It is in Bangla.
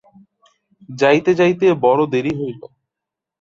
যাইতে যাইতে বড় দেরি হইল।